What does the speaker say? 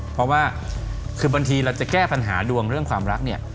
เพราะว่าคือบางทีเราจะแก้ปัญหาดวงเรื่องความรักเนี่ย